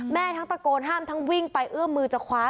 ทั้งตะโกนห้ามทั้งวิ่งไปเอื้อมมือจะคว้า